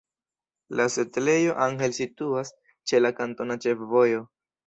La setlejo Angel situas ĉe la kantona ĉefvojo.